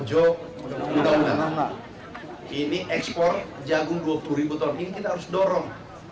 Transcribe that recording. ini ekspor jagung dua puluh ribu ton ini kita harus dorong